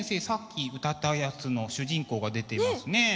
さっき歌ったやつの主人公が出てますね。